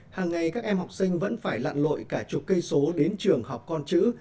hàng ngày các em học sinh vẫn phải lặn lội cả chục cây số đến trường học con chữ